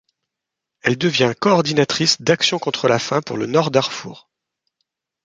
Elle devient coordinatrice d'Action contre la faim pour le Nord-Darfour.